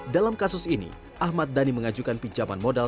dalam kasus ini ahmad dhani mengajukan pinjaman modal